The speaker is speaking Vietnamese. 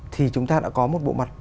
thì chúng ta đã có một bộ mặt